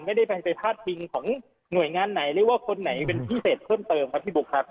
ไม่ได้ไปพาดพิงของหน่วยงานไหนหรือว่าคนไหนเป็นพิเศษเพิ่มเติมครับพี่บุ๊คครับ